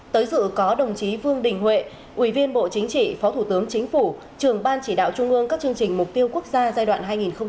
tới dự có đồng chí vương đình huệ ủy viên bộ chính trị phó thủ tướng chính phủ trường ban chỉ đạo trung ương các chương trình mục tiêu quốc gia giai đoạn hai nghìn một mươi sáu hai nghìn hai mươi